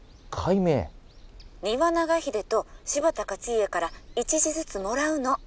「丹羽長秀と柴田勝家から１字ずつもらうの」。